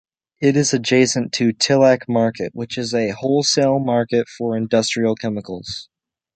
It is adjacent to Tilak Market which is a wholesale market for industrial chemicals.